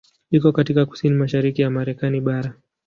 Iko katika kusini-mashariki ya Marekani bara.